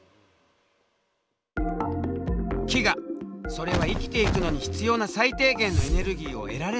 それは生きていくのに必要な最低限のエネルギーを得られないこと。